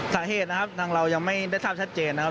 สาเหตุนะครับทางเรายังไม่ได้ทราบชัดเจนนะครับ